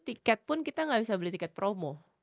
tiket pun kita gak bisa beli tiket promo